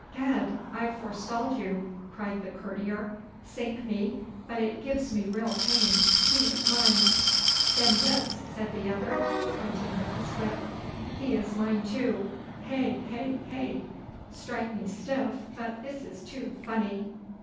'Ged, I've forestalled you,' cried the courtier. 'Sink me, but it gives me real pain. He is mine.' 'Then this,' said the other, pointing with his whip. 'He is mine, too. Heh, heh, heh! Strike me stiff, but this is too funny!